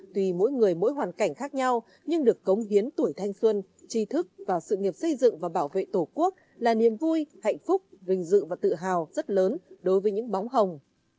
tùy mỗi người mỗi hoàn cảnh khác nhau nhưng được cống hiến tuổi thanh xuân tri thức và sự nghiệp xây dựng và bảo vệ tổ quốc là niềm vui hạnh phúc vinh dự và tự hào rất lớn đối với những bóng hồng